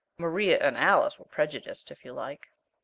Maria and Alice were prejudiced, if you like.